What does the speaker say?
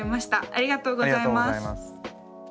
ありがとうございます。